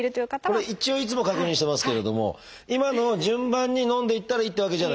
これ一応いつも確認してますけれども今のを順番に飲んでいったらいいってわけじゃないんですよね？